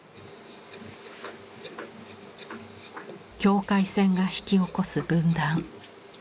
境界線が引き起こす分断。